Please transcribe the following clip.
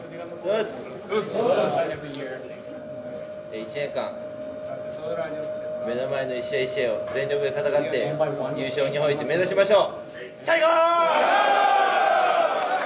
１年間、目の前の一試合一試合を全力で戦って優勝、日本一を目指しましょう！